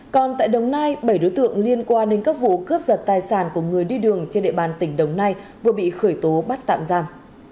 còn tại đồng nai bảy đối tượng liên quan đến các vụ cướp giật tài sản của người đi đường trên địa bàn tỉnh đồng nai vừa bị khởi tố bắt tạm giam